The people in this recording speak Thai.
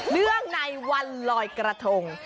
เนื่องในวันลอยกระทง